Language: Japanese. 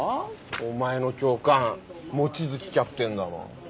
お前の教官望月キャプテンだろ。